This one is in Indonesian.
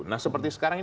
nah seperti sekarang ini